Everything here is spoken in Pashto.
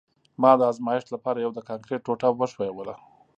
ما د ازمایښت لپاره یوه د کانکریټ ټوټه وښویوله